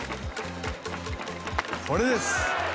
これです！